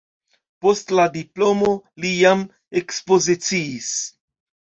Post la diplomo li jam ekspoziciis.